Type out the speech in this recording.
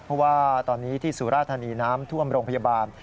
เพราะว่าตอนนี้ที่สุราธานีน้ำท่วมโรงพยาบาล